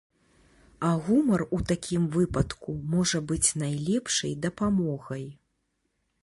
А гумар у такім выпадку можа быць найлепшай дапамогай.